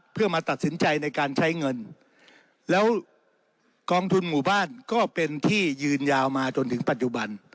เพื่อมาตัดสินใจในการใช้เงินแล้วกองทุนหมู่บ้านก็เป็นที่ยืนยาวมาจนถึงปัจจุบัน